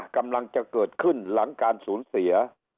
กำลังจะเกิดขึ้นหลังการสูญเสีย